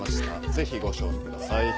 ぜひご賞味ください。